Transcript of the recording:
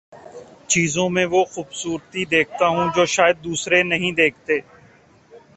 چیزوں میں وہ خوبصورتی دیکھتا ہوں جو شائد دوسرے نہیں دیکھتے